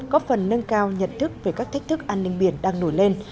có phần nâng cao nhận thức về các thách thức an ninh biển đang nổi lên